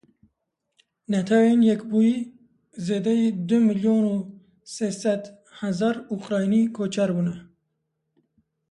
Netewên Yekbûyî Zêdeyî du milyon û sê sed hezar Ukraynî koçber bûne.